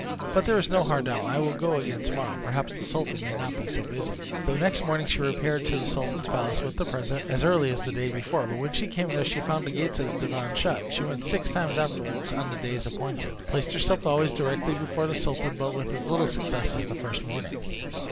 But there is no harm done: I will go again tomorrow; perhaps the sultan may not be so busy." The next morning she repaired to the sultan's palace with the present, as early as the day before; but when she came there she found the gates of the divan shut. She went six times afterward on the days appointed, placed herself always directly before the sultan, but with as little success as the first morning.